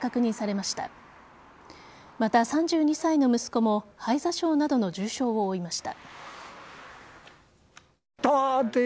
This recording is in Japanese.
また、３２歳の息子も肺挫傷などの重傷を負いました。